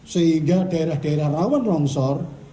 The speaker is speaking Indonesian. sehingga daerah daerah rawan longsor